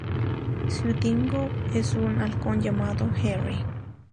Su Dingo es un halcón llamado Harry.